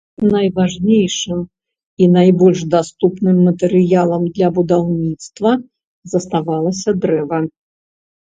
Найважнейшым і найбольш даступным матэрыялам для будаўніцтва заставалася дрэва.